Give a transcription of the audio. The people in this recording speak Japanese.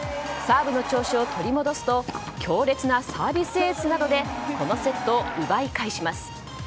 サーブの調子を取り戻すと強烈なサービスエースなどでこのセットを奪い返します。